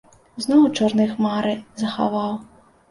Зноў у чорныя хмары захаваў.